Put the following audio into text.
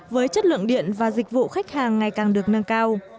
với chất lượng điện và dịch vụ khách hàng ngày càng được nâng cao